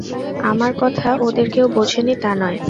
–আমার কথা ওদের কেউ বোঝে নি তা নয়।